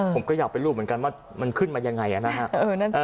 ผมก็อยากไปรู้เหมือนกันว่ามันขึ้นมายังไงนะฮะ